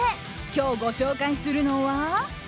今日ご紹介するのは。